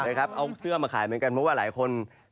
เอาเสื้อมาขายเหมือนกันเพราะว่าหลายคน